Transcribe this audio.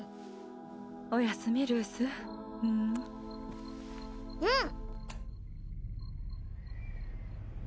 おやすみルース。はっ！んん？